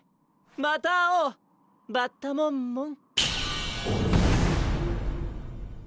また会おうバッタモンモン！